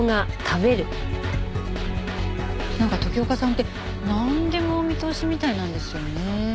なんか時岡さんってなんでもお見通しみたいなんですよね。